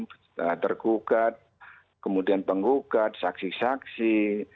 hanya dari penuntut umum terkukat kemudian pengkukat saksi saksi